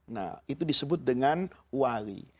nah itu disebut dengan wali